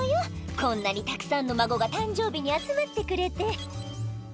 「こんなにたくさんの孫が誕生日に集まってくれて」